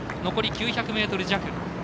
残り９００ｍ弱。